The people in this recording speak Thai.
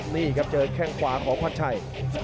นี่ครับเจอแข้งขวาของวัดชัย